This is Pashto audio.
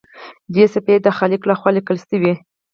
دوه صفحې یې د خالق لخوا لیکل شوي وي.